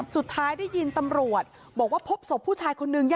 ได้ยินตำรวจบอกว่าพบศพผู้ชายคนนึง